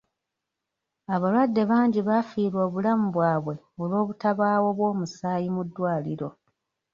Abalwadde bangi bafiirwa obulamu bwabwe olw'obutabaawo bwa musaayi mu ddwaliro.